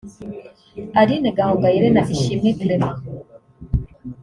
Aline Gahongayire na Ishimwe Clement